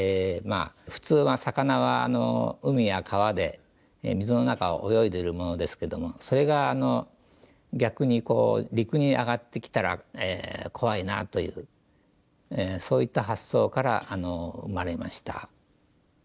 普通は魚は海や川で水の中を泳いでいるものですけどもそれが逆に陸に揚がってきたら怖いなというそういった発想から生まれました。